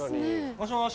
・もしもし？